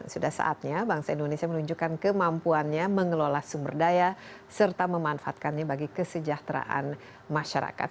sudah saatnya bangsa indonesia menunjukkan kemampuannya mengelola sumber daya serta memanfaatkannya bagi kesejahteraan masyarakat